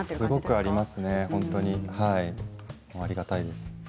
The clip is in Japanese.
ありがたいです。